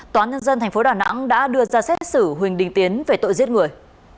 tòa nhân dân tp đà nẵng đã đưa ra xét xử huỳnh đình tiến về tội giết người